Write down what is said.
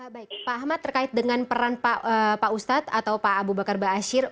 pak ahmad terkait dengan peran pak ustadz atau pak abu bakar ba'asyir